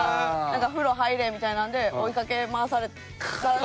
なんか風呂入れみたいなんで追いかけ回されたりしてたから。